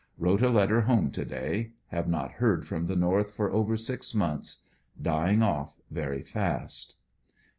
Wrote a letter home to day. Have not heard from the North for over six months. Dying off very fast.